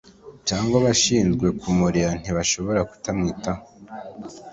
cyangwa abashinzwe kumurera ntibashobore kutamwitaho